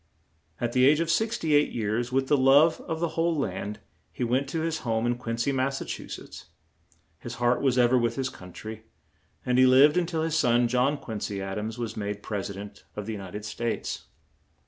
At the age of six ty eight years, with the love of the whole land, he went to his home in Quin cy, Mass. His heart was ever with his coun try; and he lived un til his son, John Quin cy Ad ams, was made Pres i dent of the U nit ed States.